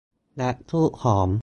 และธูปหอม